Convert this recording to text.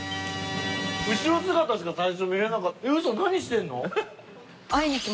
後ろ姿しか最初見れなかった。